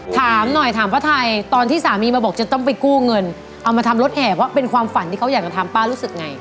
ถามหน่อยถามป้าไทยตอนที่สามีมาบอกจะต้องไปกู้เงินเอามาทำรถแอบว่าเป็นความฝันที่เขาอยากจะทำป้ารู้สึกไง